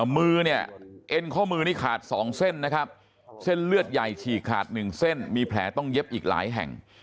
มือเนี่ยเอ็นข้อมือนี่ขาด๒เส้นนะครับเส้นเลือดใหญ่ฉีกขาด๑เส้นมีแผลต้องเย็บอีกหลายแห่ง